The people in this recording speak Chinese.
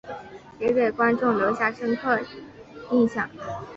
也给观众留下深刻影象。